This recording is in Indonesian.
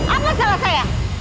apa salah saya